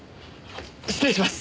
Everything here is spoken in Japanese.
失礼します。